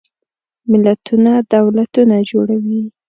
ملتونه دولتونه جوړوي.